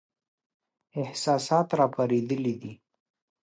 احساسات را پارېدلي دي.